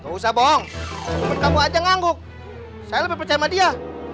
usah bohong kamu aja ngangguk saya percaya dia